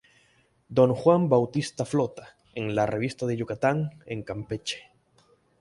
Don Juan Bautista Flota" en la "Revista de Yucatán" en Campeche.